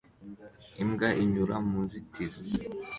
Imbwa inyura mu nzitizi